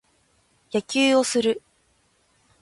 野球をする。